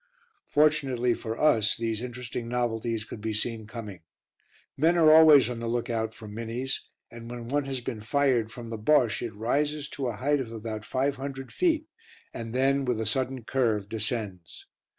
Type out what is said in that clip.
Fortunately for us these interesting novelties could be seen coming. Men are always on the look out for "Minnies," and when one has been fired from the Bosche it rises to a height of about five hundred feet, and then with a sudden curve descends.